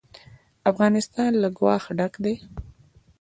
افغانستان له اوښ ډک دی.